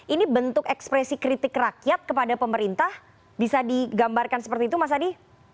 ini bentuk ekspresi kritik rakyat kepada pemerintah bisa digambarkan seperti itu mas adi